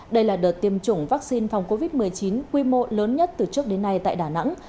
đây là đợt tiêm chủng vaccine phòng covid một mươi chín quy mô lớn nhất từ trước đến nay tại đà nẵng